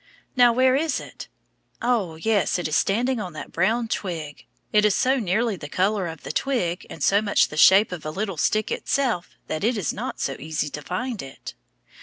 Now where is it? Oh, yes, it is standing on that brown twig. It is so nearly the color of the twig and so much the shape of a little stick itself, that it is not easy to find it.